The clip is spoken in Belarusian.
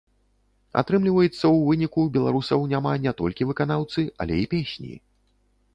Атрымліваецца, у выніку ў беларусаў няма не толькі выканаўцы, але і песні.